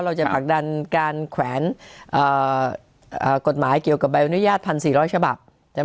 จะผลักดันการแขวนกฎหมายเกี่ยวกับใบอนุญาต๑๔๐๐ฉบับ